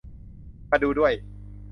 มาดูด้วย